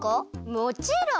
もちろん！